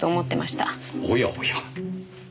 おやおや。